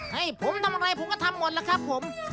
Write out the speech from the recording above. ให้ผมทำอะไรผมก็ทำหมดแล้วครับผม